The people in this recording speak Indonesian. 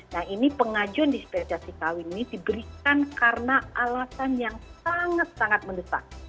nah ini pengajuan dispensasi kawin ini diberikan karena alasan yang sangat sangat mendesak